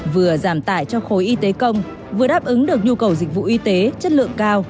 vừa giảm tải cho khối y tế công vừa đáp ứng được nhu cầu dịch vụ y tế chất lượng cao